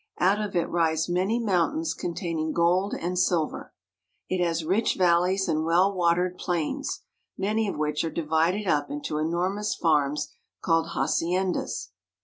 Out of it rise many mountains containing gold and silver. It has rich valleys and well watered plains, many of which are divided up into enormous farms called haciendas.